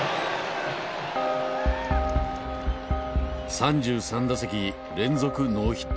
３３打席連続ノーヒット。